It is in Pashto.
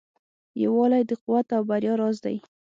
یووالی د قوت او بریا راز دی.